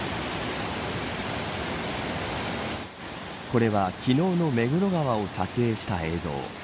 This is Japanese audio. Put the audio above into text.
これは、昨日の目黒川を撮影した映像。